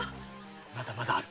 まだまだある。